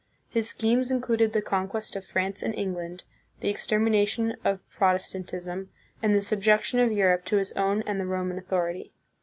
His schemes included the conquest of France and England, the extermination of Protestant ism, and the subjection of Europe to his own and the Roman authority.